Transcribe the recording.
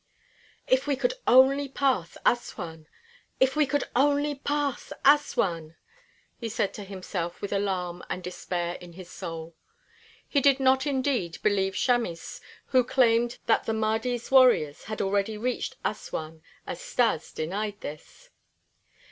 "If we could only pass Assuan! If we could only pass Assuan!" he said to himself with alarm and despair in his soul. He did not indeed believe Chamis who claimed that the Mahdi's warriors had already reached Assuan, as Stas denied this.